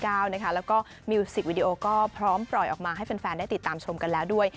แล้วก็มิวสิกวิดีโอก็พร้อมปล่อยออกมาให้แฟนได้ติดตามชมกันแล้วด้วย